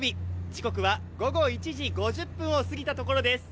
時刻は午後１時５０分を過ぎたところです。